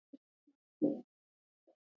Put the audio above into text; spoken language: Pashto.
په افغانستان کې واوره ډېر اهمیت لري.